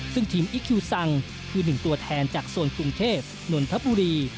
ซึ่งทีมอีคคิวซังคือ๑ตัวแทนจากโซนกรุงเทพนนทบุรี